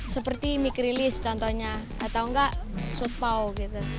seperti mic release contohnya atau enggak shoot pow gitu